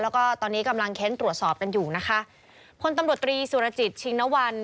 แล้วก็ตอนนี้กำลังเค้นตรวจสอบกันอยู่นะคะพลตำรวจตรีสุรจิตชิงนวรรณ